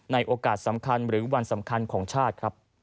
โอกาสสำคัญหรือวันสำคัญของชาติครับ